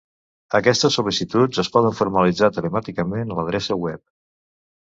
Aquestes sol·licituds es poden formalitzar telemàticament a l'adreça web.